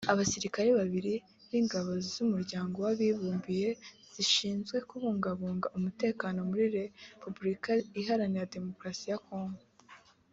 Abasirikare babiri b’Ingabo z’Umuryango w’Abibumbye zishinzwe kubungabunga umutekano muri Repubulika Iharanira Demokarasi ya Kongo